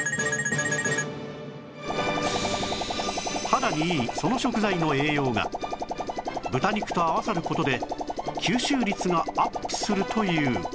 肌にいいその食材の栄養が豚肉と合わさる事で吸収率がアップするという